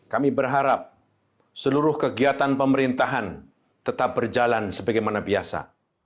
kami berharap seluruh kegiatan pemerintahan tetap berjalan sebagaimana biasa